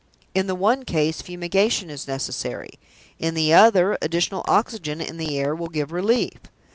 In the one case, fumigation is necessary; in the other, additional oxygen in the air will give relief.